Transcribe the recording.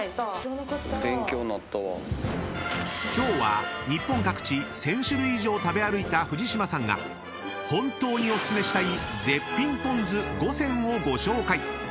［今日は日本各地１，０００種類以上食べ歩いた藤島さんが本当にお薦めしたい絶品ぽん酢５選をご紹介］